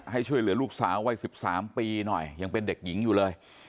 ให้ช่วยเหลือลูกสาววัย๑๓ปีหน่อยยังเป็นเด็กหญิงอยู่เลย